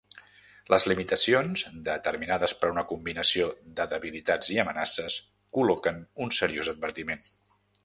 Les limitacions, determinades per una combinació de debilitats i amenaces, col·loquen un seriós advertiment.